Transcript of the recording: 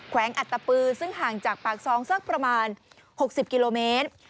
วงอัตตปือซึ่งห่างจากปากซองสักประมาณ๖๐กิโลเมตร